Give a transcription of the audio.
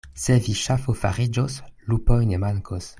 Se vi ŝafo fariĝos, lupoj ne mankos.